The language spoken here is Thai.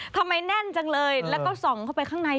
ทำไมแน่นจังเลยแล้วก็ส่องเข้าไปข้างใน